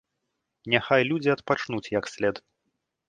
Няхай людзі адпачнуць, як след.